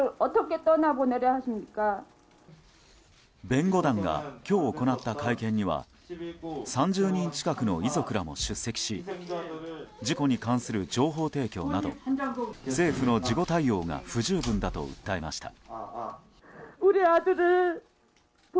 弁護団が今日行った会見には３０人近くの遺族らも出席し事故に関する情報提供など政府の事後対応が不十分だと訴えました。